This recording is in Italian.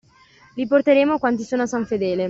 Li porteremo quanti sono a San Fedele.